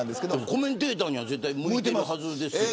コメンテーターには絶対向いてるはずですよね。